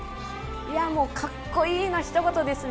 かっこいいのひと言ですね。